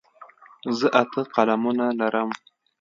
زه اته قلمونه لرم.